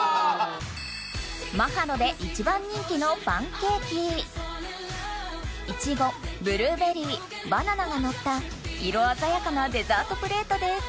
ＭＡＨＡＬＯで一番人気のイチゴブルーベリーバナナがのった色鮮やかなデザートプレートです